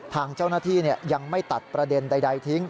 ทางเจ้าหน้าที่ยังไม่ตัดประเด็นใดทิ้ง